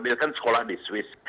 dia kan sekolah di swiss